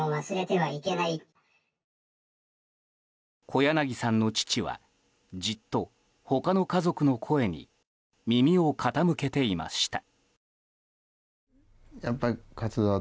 小柳さんの父はじっと、他の家族の声に耳を傾けていました。